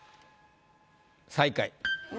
最下位。